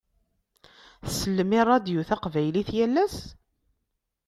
Tsellem i ṛṛadio taqbaylit yal ass?